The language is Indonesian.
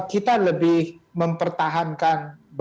kita lebih mempertahankan